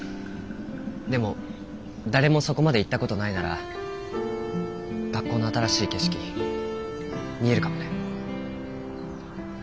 でも誰もそこまで行った事ないなら学校の新しい景色見えるかもね。